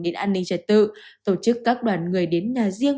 đến an ninh trật tự tổ chức các đoàn người đến nhà riêng